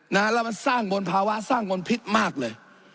แล้วมันสร้างบนภาวะสร้างบนพิษมากเลย